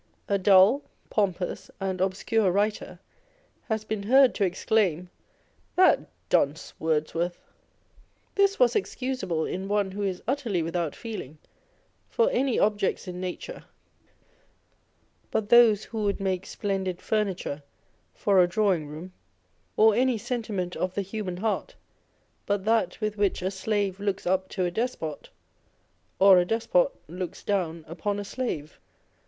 A dull, pompous, and obscure writer has been heard to exclaim, " That dunce Wordsworth !" This was excusable in one who is utterly without feeling for any objects in nature but those who would make splendid furniture for a draw ing room, or any sentiment of the human heart but that with which a slave looks up to a despot, or a despot looks down upon a slave.